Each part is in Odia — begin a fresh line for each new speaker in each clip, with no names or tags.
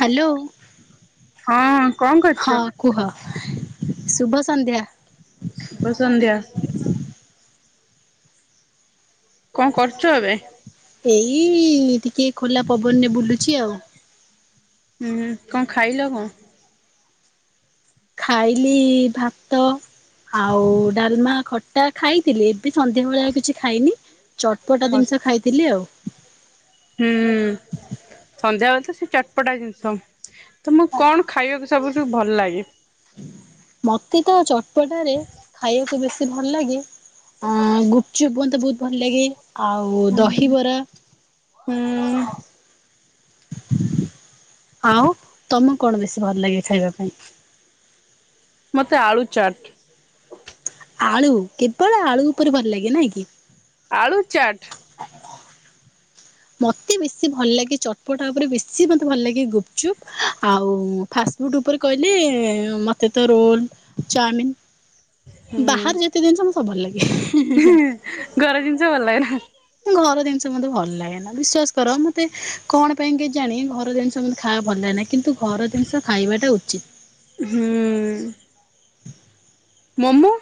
ହ୍ୟାଲୋ।
ହଁ କଣ
ହଁ
କରୁଛ?
କୁହ ଶୁଭ ସନ୍ଧ୍ୟା।
ଶୁଭ ସନ୍ଧ୍ୟା। କଣ କରୁଛ ଏବେ?
ଏଇ ଟିକେ ଖୋଲା ପବନରେ ବୁଲୁଛି ଆଉ।
ହୁଁ ହୁ କଣ ଖାଇଲ କଣ?
ଖାଇଲି ଭାତ ଆଉ ଡାଲମା ଖଟା ଖାଇଥିଲି ଏବେ ସନ୍ଧ୍ୟାବେେଳେ ଆଉ କିଛି ଖାଇନି। ଚଟପଟା ଜିନିଷ ଖାଇଥିଲି ଆଉ।
ହୁଁ। ସନ୍ଧ୍ୟାବେଳେ ତ ସେ ଚଟପଟା ଜିନିଷ ତମକୁ କଣ ଖାଇବାକୁ ସବୁଠୁ ଭଲ ଲାଗେ?
ମତେ ତ ଚଟପଟାରେ ଖାଇବାକୁ ବେଶୀ ଭଲ ଲାଗେ। ଅ ଗୁପଚୁପ ମତେ ବହୁତ ଭଲ ଲାଗେ ଆଉ ଦହିବରା।
ହୁଁ
ଆଉ ତମକୁ କଣ ବେଶୀ ଭଲ ଲାଗେ ଖାଇବା ପାଇଁ?
ମୋତେ ଆଳୁ ଚାଟ୍।
ଆଳୁ କେବଳ ଆଳୁ ଉପରେ ଭଲ ଲାଗେ ନାଇଁ କି?
ଆଳୁ ଚାଟ୍।
ମତେ ବେଶୀ ଭଲ ଲାଗେ ଚଟପଟା ଉପରେ ବେଶୀ ମତେ ଭଲ ଲାଗେ ଗୁପଚୁପ୍ ଆଉ ଫାଷ୍ଟଫୁଡ଼୍ ଉପରେ କହିଲେ ମୋତେ ତ ରୋଲ୍ ଚାଓମିିନ
ହୁଁ
ବାହାରେ ଯେତେ ଜିନିଷ ମୋ ସବ ଭଲ ଲାଗେ।
ଘର ଜିନିଷ ଭଲ ଲାଗେନା।
ଘର ଜିନିଷ ମତେ ଭଲ ଲାଗେନା ବିଶ୍ଵାସ କର ମତେ କଣ ପାଇଁ କେଜାଣି ଘର ଜିନିଷ ମତେ ଖାଇବା ଭଲ ଲାଗେନା କିନ୍ତୁ ଘର ଜିନିଷ ଖାଇବାଟା ଉଚିତ୍।
ହୁଁ ଉଁ ମୋମୋ?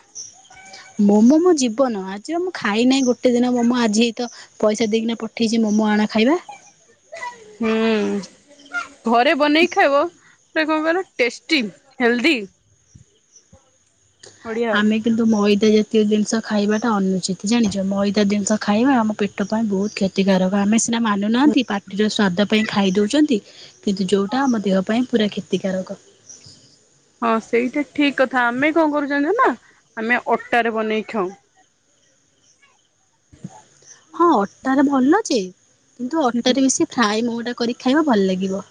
ମୋମୋ ମୋ ଜୀବନ ଆଜିର ମୁଁ ଖାଇନାହିଁ ଗୋଟେ ଦିନ ମୋମୋ ଆଜି ହେଇ ତ ପଇସା ଦେଇକିନା ପଠେଇଚି ମୋମୋ ଆଣ ଖାଇବା।
ହୁଁ ଘରେ ବନେଇକି ଖାଇବ। ହେଟା କଣ କର ଟେଷ୍ଟିଲ ହେଲ୍ଦି ବଢିଆ ଆଉ।
ଆମେ କିନ୍ତୁ ମଇଦା ଜାତୀୟ ଜିନିଷ ଖାଇବାଟା ଅନୁ ଚିତ ଜାଣିଚ ମଇଦା ଜିନିଷ ଖାଇବା ଆମ ପେଟ ପାଇଁ ବହୁତ କ୍ଷେ କ୍ଷତିକାରକ ଆମେ ସିନା ମାନୁନାହାଁନ୍ତି ପାଟିର ସ୍ୱାଦ ପାଇଁ ଖାଇଦଉଚନ୍ତି କିନ୍ତୁ ଯୋଉଟା ଆମ ଦେହ ପାଇଁ ପୁରା କ୍ଷତିକାରକ।
ହଁ ସେଇଟା ଠିକ୍ କଥା ଆମେ କଣ କରୁଚନ୍ତି ନା ଆମେ ଅଟାରେ ବନେଇ ଖାଉ।
ହଁ ଅଟାରେ ଭଲଜେ କିନ୍ତୁ ଅଟାରେ ବେଶି ଫ୍ରାଏ ମମୋ ଟା କରିକି ଖାଇବା ଭଲ ଲାଗିବ।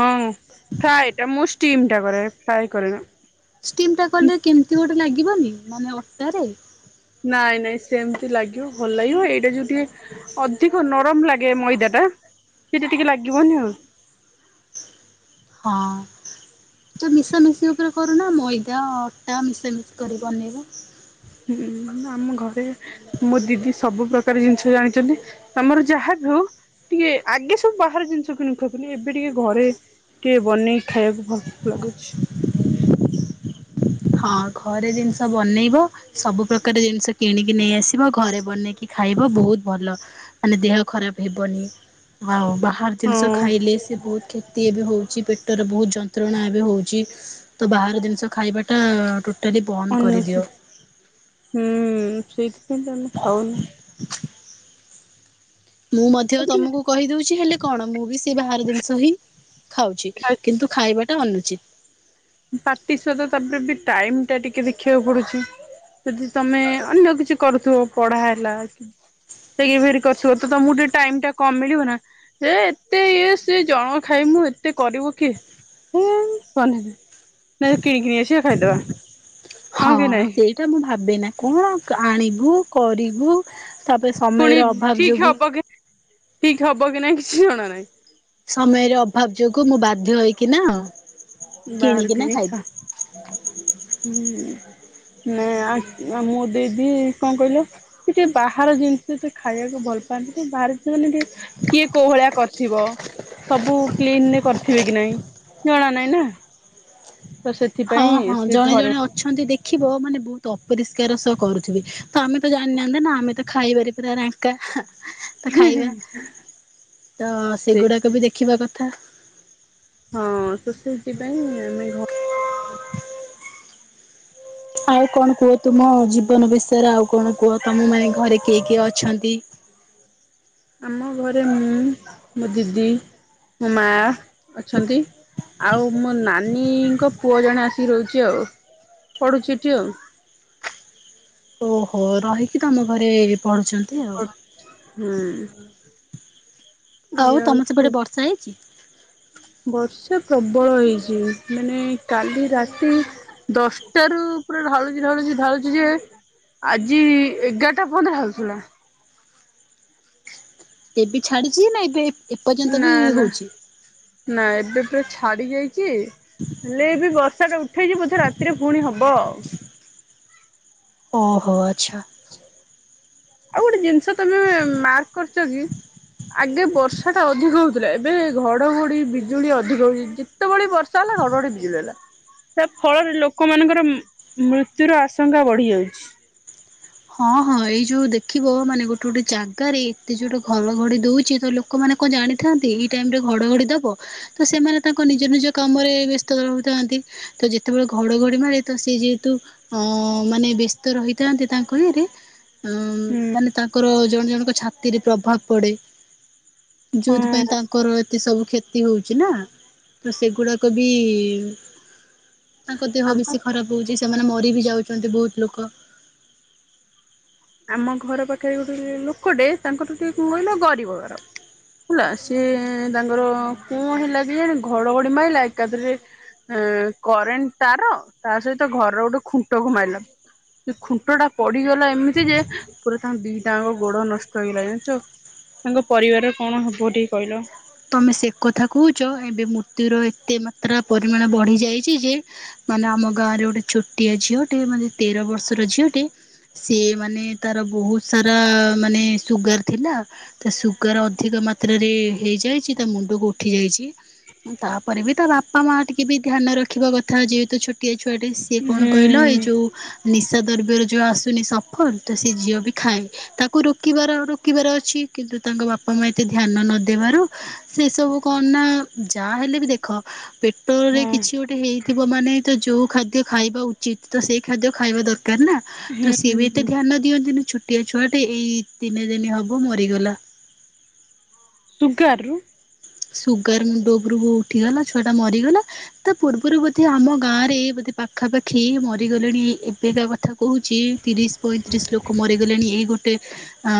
ହଁ ଫ୍ରାଏ ଟା ମୁଁ ଷ୍ଟିମ୍ ଟା କରେ ଫ୍ରାଏ କରେନା।
ଷ୍ଟିମ୍ ଟା କଲେ କେମିତି ଗୋଟେ ଲାଗିବନି ମାନେ ଅଟାରେ?
ନାଇଁ ନାଇଁ ସେମିତି ଲାଗିବ ଭଲ ଲାଗିବ ଏଇଟା ଯୋଉ ଟିକେ ଅଧିକ ନରମ ଲାଗେ ମଇଦା ଟା ସେଇଟା ଟିକେ ଲାଗିବନି ଆଉ।
ହଁ ଯଉ ମିଶା ମିଶି ଉପରେ କ ମଇଦା ଅଟା ମିଶା ମିଶି କରି ବନେଇବ।
ହୁଁ ଆମ ଘରେ ମୋ ଦିଦି ସବୁ ପ୍ରକାର ଜିନିଷ ଜାଣିଚନ୍ତି ତମର ଯାହାବି ହଉ ଟିକେ ଆଗେ ସବୁ ବାହାରେ ଜିନିଷ କିଣି ଖାଉଥିଲି ଏବେ ଟିକେ ଘରେ କେ ବନେଇ ଖାଇବାକୁ ଭଲ ଲାଗୁଚି।
ହଁ ଘରେ ଜିନିଷ ବନେଇବ ସବୁ ପ୍ରକାର ଜିନିଷ କିଣିକି ନେଇ ଆସିବ। ଘରେ ବନେଇକି ଖାଇବ ବହୁତ ଭଲ ମାନେ ଦେହ ଖରାପ ହେବନି ଆଉ ବା ବାହାର ଜିନିଷ
ହଁ
ଖାଇଲେ ସେ ବହୁତ କ୍ଷତି ଏବେ ହେଉଚି ପେଟରେ ବହୁତ ଯନ୍ତ୍ରଣା ଏବେ ହେଉଚି। ତ ବାହାର ଜିନିଷ ଖାଇବା
ଅନୁଚିତ୍। ହୁଁ- ସେ କିନ୍ତୁ ଆମେ ଖାଉନୁ।
[inaudible] ମୁଁ ମଧ୍ୟ
ତାପରେ
ତମକୁ କହିଦଉଚି ହେଲେ କଣ ମୁଁ ବି ସେ ବାହାର ଜିନିଷ ହିଁ ଖାଉଚି
ଖାଇ
କିନ୍ତୁ ଖାଇବା ଟା ଅନୁଚିତ୍।
ପାଟି ସ୍ବାଦ ତାପରେ ବି ଟାଇମ୍ ଟା ଟିକେ ଦେଖିବାକୁ ପଡୁଚି। ଯଦି ତମେ ଅନ୍ୟ କିଛି କରୁଥିବ ପଢା ହେଲା କି [unintelligible] କରିଥିବ ତମକୁ ଟିକେ ଟାଇମ୍ ଟା କମ୍ ମିଳିବ ନାଁ। ହେ ଏତେ ଇଏ ସିଏ ଜଣ ଖାଇମୁଁ ଏତେ କରିବ କିଏ? ମୁଁ କଲିନି। ନାଇଁ କିଣିକି ନେଇ ଆସିବା ଖାଇଦବା।
ହଁ
କି ନାଇଁ?
ସେଇଟା ମୁଁ ଭାବେ ନାଁ କଣ ଆଣିବୁ କରିବୁ ତାପରେ ସମୟର ଅଭାବ ଯୋଗୁଁ
ଠିକ୍ ହବ କି ନାଇଁ କିଛି ଜଣା ନାହିଁ।
ସମୟର ଅଭାବ ଯୋଗୁ ମୁଁ ବାଧ୍ୟ ହେକି ନା
ବାହାରୁ
କିଣିକି ନା
କିଣି ଖା
ଖାଇଦିଏ।
ହୁଁ ନା ମୁଁ ଦେଇଦି କଣ କହିଲ ସେ ଟିକେ ବାହାର ଜିନିଷ ଟେ ଖାଇବାକୁ ଭଲ ପାଆନ୍ତି ବାହାରେ ନ ମାନେ ଟିକେ କିଏ କୋହଳିଆ କରି ଥିବ ସବୁ କ୍ଲିନରେ କରିଥିବେ କି ନାଇଁ ଜଣା ନହିଁ ନା। ତ
ହଁ
ସେଥିପାଇଁ
ହଁ
ସେ
ଜଣେ
ଘରେ
ଜଣେ ଅ ଅଛନ୍ତି ଦେଖିବ ମାନେ ବହୁତ ଅପରିଷ୍କାର ସହ କରୁଥିବେ ତ ଆମେ ତ ଜାଣିନାହାନ୍ତେ ନା ଆମେ ତ ଖାଇବାରେ ପ୍ର ରାଙ୍କ
[inaudible] ଁ
ତ ଖାଇବା ତ
ସେ
ସେଗୁଡାକ ବି ଦେଖିବା କଥା।
ହଁ ସୁ ସେଥି ପାଇଁ ଆମେ ଘ
ଆଉ କଣ କୁହ ତୁମ ଜୀବନ ବିଷୟରେ, ଆଉ କଣ କୁହ ତମ ମାନେ ଘରେ କିଏ କିଏ ଅଛନ୍ତି?
[inaudible] ଆମ ଘରେ ମୁଁ ମୋ ଦିଦି, ମୋ ମା ଅଛନ୍ତି। ଆଉ ମୋ ନାନୀଙ୍କ ପୁଅ ଜଣେ ଆସିକି ରହୁଛି, ଆଉ ପଢୁଛି ଏଠି ଆଉ।
ଓହୋ ରହିକି ତମ ଘରେ ପଢୁଛନ୍ତି ଆଉ।
ହୁଁ
ହଉ
ଏଇଆ
ତମ
ହଉଛି
ସେପଟେ
ଆଉ।
ବର୍ଷା ହେଇଛି?
ବର୍ଷା ପ୍ରବଳ ହେଇଛି ମାନେ କାଲି ରାତି ଦଶଟାରୁ ପୁରା ଢାଳୁଛି ଢାଳୁଛି ଢାଳୁଛି ଯେ ଆଜି ଏଗାରଟା ପନ୍ଦ ହେଉଥିଲା।
ଏବେ ଛାଡିଛି ନା ଏବେ ଏପର୍ଯ୍ୟନ୍ତ
ନା
ବି
ନା
ହଉଛି?
ନା ଏବେ ପା ଛାଡି ଯାଇଛି। ଚି ଲେଏବି ବର୍ଷାଟା ଉଠେଇଚି ବୋଧେ ରାତିରେ ପୁଣି ହବ ଆଉ।
ଓହୋ ଆଚ୍ଛା।
ଆଉ ଗୋଟେ ଜିନିଷ ତମେ ମାର୍କ କରୁଚକି। ଆଗେ ବର୍ଷାଟା ଅଧିକ ହଉଥିଲା ଏବେ ଘଡ଼ଘଡ଼ି ବିଜୁଳି ଅଧିକ ହଉଚି। ଯେତେବେଳେ ବର୍ଷା ହେଲା ଘଡଘଡି ବିଜୁଳି ହେଲା। ତା ଫଳରେ ଲୋକମାନଙ୍କର ମୃତ୍ୟୁର ଆଶଙ୍କା ବଢି ଯାଉଛି।
ହଁ ହଁ ଏଇ ଯୋଉ ଦେଖିବ ମାନେ ଗୋଟେ ଗୋଟେ ଜାଗାରେ ଏତେ ଯୋ ଗୋଟେ ଘରଘଡି ଦଉଛି ତଲୋକ ଲୋକମାନେ କଣ ଜାଣିଥାନ୍ତି ଏଇ ଟାଇମରେ ଘଡଘଡି ଦବ। ତ ସେମାନେ ତାଙ୍କ ନିଜ ନିଜ କାମରେ ବ୍ୟସ୍ତ ରହୁଥାନ୍ତି। ତ ଯେତେବେଳେ ଘଡଘଡି ମାରେ ତ ସେ ଯେହେତୁ ଅ ମାନେ ବ୍ୟସ୍ତ ରହିଥାନ୍ତି ତାଙ୍କ [unintelligible]
ହୁଁ
ମାନେ ତାଙ୍କର ଜଣେ ଜଣଙ୍କ ଛାତିରେ ପ୍ରଭାବ ପଡେ। ଯୋଉଥିପାଇଁ
ହଁ
ତାଙ୍କର ଏତେ ସବୁ କ୍ଷତ କ୍ଷତି ହଉଛିନା ତ ସେଗୁଡାକବି ତାଙ୍କ ଦେହ
ଆମ
ବେଶି ଖ ଖରାପ ହଉଛି ସେମାନେ ମରିବି ଯାଉଚନ୍ତି ବହୁତ ଲୋକ।
ଆମ ଘର ପାଖରେ ଗୋଟେ ଲୋକଟେ ତାଙ୍କଠୁ ଟିକିଏ କଣ କହିଲ ଗରିବ ଘର। ହେଲା ସିଏ ତାଙ୍କର କଣ ହେଲା କେଇଆଣି ଘଡଘଡି ମାଇଲା ଏକାଥରେ ହଁ କରେଣ୍ଟ ତାର ତାସହିତ ଘରର ଗୋଟେ ଖୁଣ୍ଟକୁ ମାଇଲା। ସେ ଖୁଣ୍ଟଟା ପଡିଗଲା ଏମିତି ଯେ ପୁରା ତାଙ୍କ ଦିଟାଙ୍କ ଗୋଡ ନଷ୍ଟ ହେଇଗଲା ଜାଣିଚ। ତାଙ୍କ ପରିବାର କଣ ହବ ଟିକେ କହିଲ।
ତମେ ସେ କଥା କହୁଛ ଏବେ ମୃତ୍ୟୁର ଏତେ ମାତ୍ରା ପରିମାଣ ବଢି ଯାଇଛିଯେ ମାନେ ଆମ ଗାଁରେ ଗୋଟେ ଛୋଟିଆ ଝିଅଟେ ମାନେ ତେର ବର୍ଷର ଝିଅଟେ। ସିଏ ମାନେ ତାର ବହୁତ ସାରା ମାନେ ସୁଗାର ଥିଲା। ତା ସୁଗାର ଅଧିକ ମାତ୍ରାରେ ହେଇଯାଏ। ତା ମୁଣ୍ଡକୁ ଉଠି ଯାଇଛି ତାପରେବି ତା ବାପ ବାପା ମାଆ ଟିକିଏବି ଧ୍ୟାନ ରଖିବା କଥା ଯେହେତୁ ଛୋଟିଆ ଛୁଆଟେ ସିଏ କଣ କହିଲ ଏଇ
ହୁଁ
ଯୋଉ। ନିଶା ଦ୍ରବ୍ୟର ଯେଉଁ ଆସୁନି ସଫଲ ତ ସେ ଝିଅବି ଖାଏ। ତାକୁ ରୋକିବାର ରୋକିବାର ଅଛି କିନ୍ତୁ ତାଙ୍କ ବାପା ମା ଏତେ ଧ୍ୟାନ ନଦେବାରୁ ସେ ସବୁ କଣନା ଯାହା ହେଲେବି ଦେଖ ପେଟରେ
ହଁ
କିଛି ଗୋଟେ ହେଇ ଥିବ ମାନେ ତଯୋଉ ଖାଦ୍ୟ ଖାଇବା ଉଚିତ ତସେଇ ଖାଦ୍ୟ ଖାଇବା ଦରକାରନା। ତ ସିଏବି ଏତେ
ହୁଁ
ଧ୍ୟାନ ଦିଅନ୍ତ ଛୋଟିଆ ଛୁଆଟେ ଏଇ ତିନି ଦିନ ହବ ମରିଗଲା।
ଦୁଗାରରୁ
ସୁଗାର ମୁଣ୍ଡ ଉପରକୁ ଉଠିଗଲା ଛୁଆଟା ମରିଗଲା। ତା ପୂର୍ବରୁ ବୋଧେ ଆମ ଗାଁରେ ବୋଧେ ପାଖାପାଖି ମରିଗଲେଣି ଏବେକା କଥା। କହୁଛି ତିରିଶ ପଇଁତିରିଶ ଲୋକ ମରିଗଲେଣି ଏଇ ଗୋଟେ ଆଁ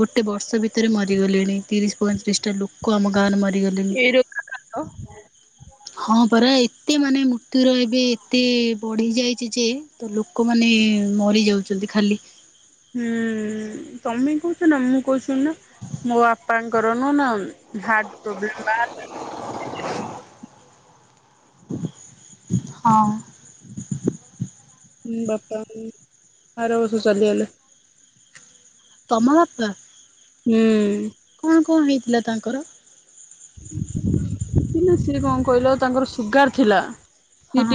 ଗୋଟେ ବର୍ଷ ଭିତରେ ମରିଗଲେଣି ତିରିଶ ପଇଁତିରିଶଟା ଲୋକ ଆମ ଗାଁରେ ମରି
ଏଇ [unintelligible]
ହଁ ପରା ଏତେ ମାନେ ମୃତ୍ୟୁୁର ଏବେ ଏତେ ବଢି ଯାଇଚିଯେ ତ ଲୋକମାନେ ମରି ଯାଉଛନ୍ତି ଖାଲି।
ହୁଁ ହୁଁ ତମେ କହୁଛନା ମୁଁ କହୁଛୁ ଶୁଣୁନ ମୋ ବାପାଙ୍କୁ କରନୁନା ହାର୍ଟ ପ୍ରୋବ୍ଲେମବା।
ହଁ।
ହୁଁ ବାପାଉୁଁ ଆର ବର୍ଷ ଚାଲିଗଲେ।
ତମ ବାପା।
ଉୁଁ।
କଣ କଣ ହେଇଥିଲା ତାଙ୍କର?
[inaudible] ସିଏ କଣ କହିଲ ତାଙ୍କର ସୁଗାର ଥିଲା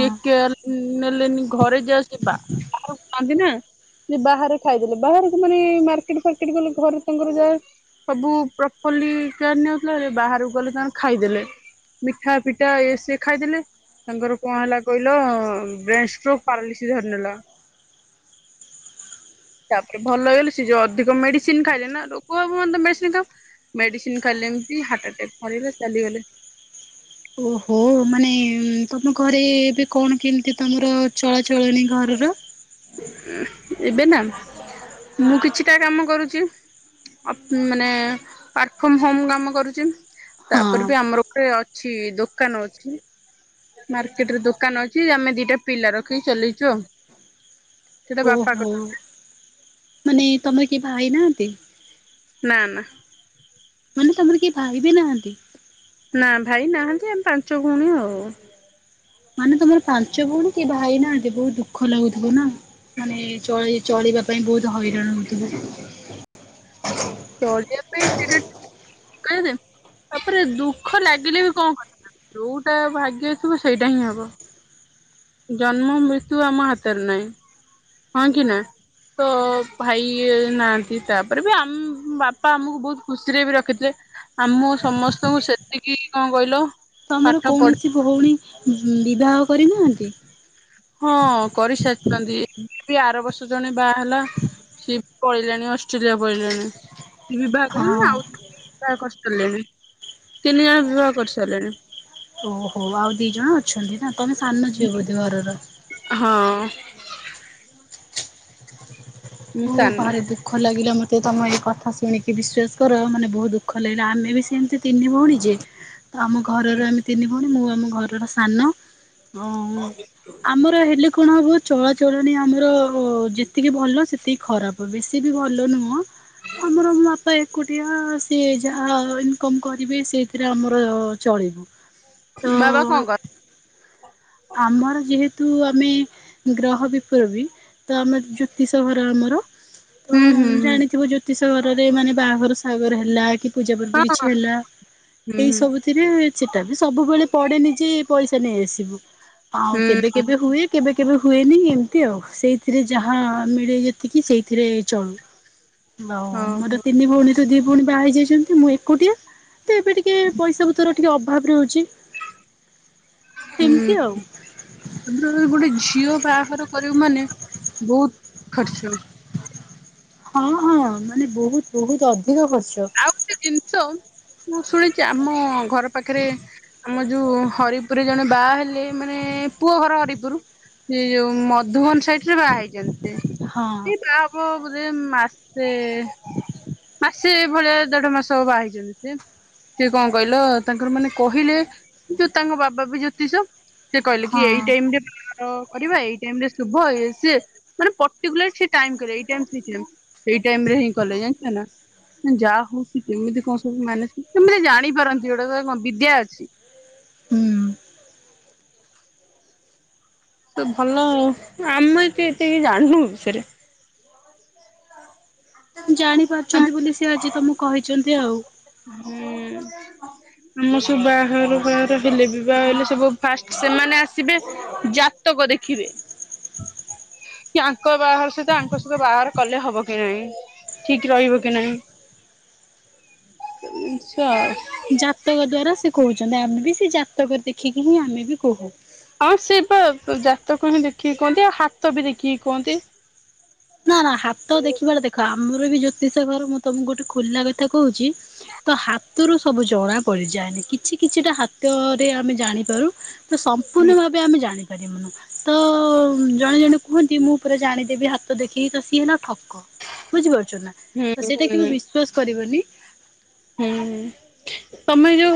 ଟେକ କେଆର। ନେଲେନି ଘରେ ଯଆସିବା କୁହନ୍ତି ନା। ବାହାରେ ଖାଇଦେଲେ ବାହାରକୁ ମାନେ ମାର୍କେଟ ଫାର୍କେଟ ଗଲେ ଘରୁ ତାଙ୍କର ଯାହା ସବୁ ପ୍ରଫଲିକଉଥିଲା ବାହାରକୁ ଗଲେ ତାମାନେ ଖାଇଦେଲେ। ମିଠା ଫିଠା ଏ ସ ଖାଇଦେଲେ। ତାଙ୍କର କଣ ହେଲା କହିଲ ବ୍ରେନ ଷ୍ଟ୍ରୋକ ପାରଲିସି ଧରି ନେଲା। ତାପରେ ଭଲ ଲାଗିଲ ସେ ଯଉଅଧିକ ମେଡିସିନ ଖାଇଲେ ନା ରେଗ ହେବ ନିଶ୍ଚିତ। ମେଡିସିନ ଖାଇଲେ ଏମିତି ହାର୍ଟ ଆଟାକ୍ ପଳେଇବେ ଚାଲିଗଲେ।
ଓହୋ ମାନେ ତମ ଘରେ ଏବେ କଣ କେମିତି ତମର ଚଳାଚଳଣିୀ ଘରର।
ଏବେ ନା ମୁଁ କିଛିଟା କାମ କରୁଛି। ମାନେ ୱାର୍କ ଫ୍ରମ ହୋମ କାମ କରୁଛି। ତାପରେ
ହଁ
ବି ଆମର ଗୋଟେ ଅଛି ଦୋକାନ ଅଛି। ମାର୍କେଟରେ ଦୋକାନ ଅଛି ଆମେ ଦିଟା ପିଲା ରଖିକି ଚଲିଛୁ ଆଉ। ସେଇଟା ବାପା କ
ତୁନି ତମର କି ଭାଇ ନାହାନ୍ତି।
ନା ନା।
ମାନେ ତମର କେହି ଭାଇ ବି ନାହାନ୍ତି।
ନା ଭାଇ ନାହାନ୍ତି ଆମେ ପାଞ୍ଚ ଭଉଣୀ ଆଉ।
ମାନେ ତମର ପାଞ୍ଚ ଭଉଣୀ କି ଭାଇ ନାହାନ୍ତି ବହୁତ ଦୁଃଖ ଲାଗୁଥିବ ନା ମାନେ ଚଳେଇ ଚଳେଇବା ପାଇଁ ବହୁତ ହଇରାଣ ହେଉଥିଲେ।
ଚଳିବା ପାଇଁ ସେଟା କିଲେ ତାପରେ ଦୁଃଖ ଲାଗିଲେ ବି କଣ କରିବା। ଯୋଉଟା ଭାଗ୍ୟଥିବ ସେଇଟା ହିଁ ହବ। ଜନ୍ମ ମୃତ୍ୟୁ ଆମ ହାତରେ ନାହିଁ ହଁ କି ନା। ତ ଭାଇ ନାହାନ୍ତି ତାପରେ ବି ଆମ ବାପା ଆମକୁ ବହୁତ ଖୁସିରେ ବି ରଖିଥିଲେ। ଆମ ସମସ୍ତଙ୍କୁ ସେତିକି କଣ କହିଲ
ତମର
ପାଠ ପଢ
କୌଣସି ଭଉଣୀ ବିବାହ କରିନାହାନ୍ତି।
ହଁ କରିସାରିଛନ୍ତି ଆର ବର୍ଷ ଜଣେ ବାହା ହେଲା। ସିଏ ପଳେଇଲାଣି ଅଷ୍ଟ୍ରେଲିଆ ପଳେଇଲାଣି ବିବାହ କରି
ହଁ
ଆଉ। ବିବାହ କରିସାରିଲେଣି ତିନି ଜଣ ବିବାହ କରିସାରିଲେଣି।
ହଉ ଆଉ ଦି ଜଣ ଅଛନ୍ତି ନା ତମେ ସାନ ଝିଅ ବୋଧେ ଘରର।
ହଁ। ମୁଁ
ଓ।
ସାନ
[unintelligible] ଦୁଃଖ ଲାଗିଲା ମତେ ତମ ଏ କଥା ଶୁଣିକି ବିଶ୍ୱାସ କର ମାନେ ବହୁତ ଦୁଃଖ ଲାଗିଲା ଆମେ ବି ସେମିତି ତିନି ଭଉଣୀ ଯେ ତ ଆମ ଘରର ଆମେ ତିନି ଭଉଣୀ ମୁଁ ଆମ ଘରର ସାନ। ହଁ। ଆମର ହେଲେ କଣ ହବ ଚଳାଚଳଣିୀ ଆମର ଯେତିକି ଭଲ ସେତିକି ଖରାପ ବେଶୀ। ଏତେ ବି ଭଲ ନୁହଁ ଆମର ବାପା ଏକୁଟିଆ ସିଏ ଯାହା ଇନକମ୍ କରିବେ ସେଥିରେ ଆମର ଚଳିବ।
ବାବା କଣ କର
ଆମର ଯେହେତୁ ଆମେ ଗ୍ରହ ବିପ୍ଳବୀ। ତ ଆମେ ଜ୍ୟୋତିଷ ଘର ଆମର। ତ
ହୁଁ ହୁଁ ହୁଁ
ଜାଣିଥିବ ଜ୍ୟୋତିଷ ଘରରେ ମାନେ ବାହାଘର ସାଗର ହେଲା କି ପୂଜା ପର୍ବ
ହଁ
କିଛି
ହଁ
ହେଲା
ହୁଁ ହୁଁ
ଏଇ ସବୁ ସେଥିରେ ସେଟା ବି ସବୁବେଳେ ପଡେନିଜେ ପଇସା ନେଇଆସିବୁ ଆଉ
ହୁଁ
କେବେ କେବେ ହୁଏ। କେବେ କେବେ ହୁଏନି ଏମିତି ଆଉ ସେଇଥିରେ ଯାହା ମିଳେ ଯେତିକି ସେଇଥିରେ ଚଳୁ। ହଉ
ହଁ
ମୋର
ହଁ
ତିନି ଭଉଣୀ ରୁ ଦି ଭଉଣୀ ବାହା ହେଇ ଯାଇଛନ୍ତି ମୁଁ ଏକୁଟିଆ। ତ ଏବେ ଟିକେ ପଇସା ପତ୍ର ଟିକେ ଅଭାବ ରହୁଛି।
ହୁଁ।
ଏମିତି ଆଉ।
[unintelligible] ଗୋଟେ ଝିଅ ବାହାଘର କରିବୁ ମାନେ ବହୁତ ଖର୍ଚ୍ଚ।
ହଁ ହଁ ମାନେ ବହୁତ୍ ବହୁତ୍ ଅଧିକ ଖର୍ଚ୍ଚ।
ଆଉ ଗୋଟେ ଜିନିଷ ମୁଁ ଶୁଣିଛି ଆମ ଘର ପାଖରେ ଆମ ଯୋଉ ହରିପୁରେ ଜଣେ ବାହା ହେଲେ ମାନେ ପୁଅ ଘର ହରିପୁର। ସେଇ ଯୋଉ ମଧୁବନ ସାଇଡ୍ ରେ ବାହା ହେଇଛନ୍ତି।
ହଁ
ସେ ବାହା ହବ ବୋଧେ ମାସେ ସେଇଭଳିଆ ଦେଢମାସ ହବ ହେଇଛନ୍ତି ସିଏ। ସେ କଣ କହିଲ ତାଙ୍କର ମାନେ କହିଲେ ଯେ ତାଙ୍କ ବାବା ବି ଜ୍ୟୋତିଷ। ସେ କହିଲେ କି
ହଁ
ଏଇ ଟାଇମ୍ ରେ [unintelligible] କରିବା ଏଇ ଟାଇମ୍ ରେ ଶୁଭ ଇଏ ସିଏ ମାନେ ପଟିକୁଲାର୍ ସିଏ ଟାଇମ୍ କହିଲେ ଏଇ ଟାଇମ୍ ଠିକ୍ ଟାଇମ୍। ସେଇ ଟାଇମ୍ ରେ ହିଁ କଲେ ଜାଣିଛ ନା? ଯାହା ହଉ ସିଏ କେମିତି କଣ ସବୁ ମ୍ୟାନେଜ୍ କେମିତି ଜାଣିପାରନ୍ତି ଏଗୁଡ଼ା [unintelligible] ବିଦ୍ୟା ଅଛି।
ହୁଁ।
ଆମ ଏଠି ଏତେ କିଏ ଜାଣିନୁ ଏ ବିଷୟରେ। [inaudible]
ଜାଣି ପାରୁଛନ୍ତି ବୋଲି ସେ ଆଜି ତମକୁ କହିଛନ୍ତି ଆଉ।
ହୁଁ। ଆମର ସବୁ [unintelligible] ହେଲେ ବି ବାହା ହେଲେ ସବୁ ଫାଷ୍ଟ ସେମାନେ ଆସିବେ ଜା ଟକ ଦେଖିବେ। ୟାଙ୍କ ବାହାଘର ସହିତ ଆଙ୍କ ସହିତ ବାହାର କଲେ ହବ କି ନାହିଁ ଠିକ୍ ରହିବ କି ନାହିଁ। [unintelligible]
ଜାତକ ଦ୍ଵାରା ସେ କହୁଛନ୍ତି ଆମେ ବି ସେଇ ଜାତକରେ ଦେଖିକି ହିଁ ଆମେ ବି କହୁ।
ହଁ ସେ ବା ଜାତକ ହିଁ ଦେଖିକି କହନ୍ତି ଆଉ ହାତ ବି ଦେଖିକି କୁହନ୍ତି।
ନା ନା ହାତ ଦେଖିବାଟା ଦେଖ ଆମର ବି ଜ୍ୟୋତିଷ ଘର ମୁଁ ତମକୁ ଗୋଟେ ଖୋଲା କଥା କହୁଛି। ତ ହାତୁରୁ ସବୁ ଜଣା ପଡିଯାଏନି। କିଛି କିଛିଟା ହାତରେ ଆମେ ଜାଣିପାରୁ ତ ସମ୍ପୂର୍ଣ
ହୁଁ
ଭାବ ଆମେ ଜାଣିପାରିବୁନୁ ତ ଜଣେ ଜଣେ କୁହନ୍ତି ମୁଁ ପୁରା ଜାଣିଦେବି ହା ତ ଦେଖିକି ତ ସିଏ ହେଲା ଠକ ବୁଝିପାରୁଛ ନା
ହୁଁ
ତ ସେଇଟା କେବେ
ହୁଁ
ବିଶ୍ଵାସ କରିବନି।
ହୁଁ ତମେ ଯୋଉ